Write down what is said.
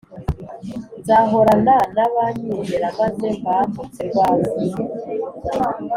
Nzahorana nabanyizera maze mbambutse rwa ruzi